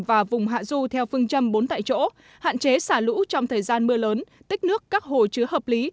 và vùng hạ du theo phương châm bốn tại chỗ hạn chế xả lũ trong thời gian mưa lớn tích nước các hồ chứa hợp lý